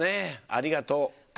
ありがとう。